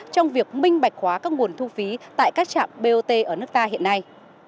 trong việc minh bạch hóa các nguồn thu phí tại các trạm bot ở nước ta hiện nay